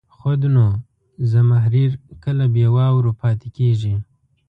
خود نو، زمهریر کله بې واورو پاتې کېږي.